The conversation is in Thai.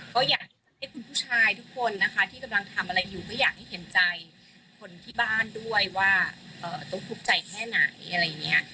ก็อยากให้คุณผู้ชายทุกคนนะคะที่กำลังทำอะไรอยู่ก็อยากให้เห็นใจคนที่บ้านด้วยว่าตุ๊กทุกข์ใจแค่ไหนอะไรอย่างนี้